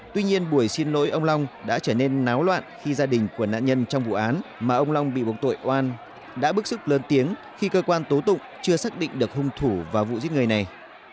tuy nhiên buổi xin lỗi ông long đã trở nên náo loạn khi gia đình của nạn nhân trong vụ án mà ông long bị buộc tội oan đã bức xúc lớn tiếng khi cơ quan tố tụng chưa xác định được hung thủ vào vụ giết người này